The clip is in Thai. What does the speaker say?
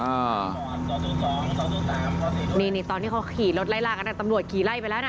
นี่นี่ตอนที่เขาขี่รถไล่ล่ากันอ่ะตำรวจขี่ไล่ไปแล้วนะ